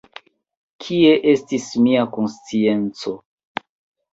Kie estis mia konscienco!